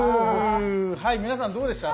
はい皆さんどうでした？